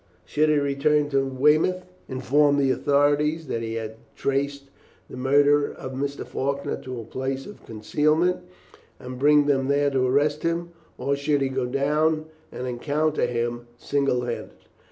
Should he return to Weymouth, inform the authorities that he had traced the murderer of Mr. Faulkner to a place of concealment, and bring them there to arrest him, or should he go down and encounter him single handed?